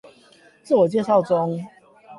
自我介紹中